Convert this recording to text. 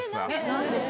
何でですか？